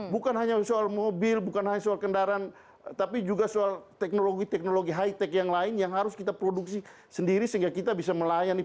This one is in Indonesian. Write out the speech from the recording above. bukan hanya soal mobil bukan hanya soal kendaraan tapi juga soal teknologi teknologi high tech yang lain yang harus kita produksi sendiri sehingga kita bisa melayani